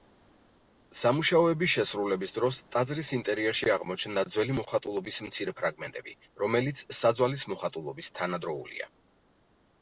სამუშაოების შესრულების დროს ტაძრის ინტერიერში აღმოჩნდა ძველი მოხატულობის მცირე ფრაგმენტები, რომელიც საძვალის მოხატულობის თანადროულია.